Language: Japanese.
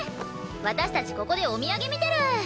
私たちここでお土産見てる！